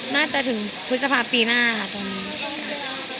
น่าจะถึงพฤษภาพปีหน้าค่ะตรงนี้